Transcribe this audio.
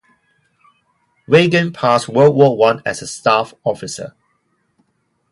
Weygand passed World War One as a staff officer.